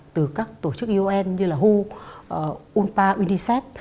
từ các tổ chức un như là who unpa unicef